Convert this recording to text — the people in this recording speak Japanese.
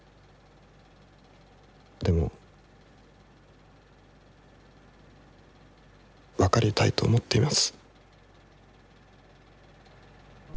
でも、分かりたいと思っています。